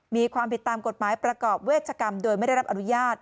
มีความผิดตามกฎหมายประกอบเวชกรรมโดยไม่ได้รับอนุญาต